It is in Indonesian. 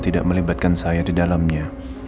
tidak melibatkan saya di dalamnya